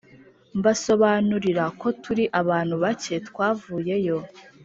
Mbasobanurira ko turi abantu bake twavuyeyo